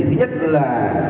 thứ nhất là